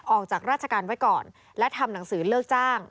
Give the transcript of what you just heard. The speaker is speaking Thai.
ออกจากราชการไว้ก่อนและทำหนังสือเลิกจ้าง